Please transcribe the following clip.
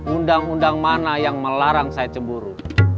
undang undang mana yang melarang saya cemburu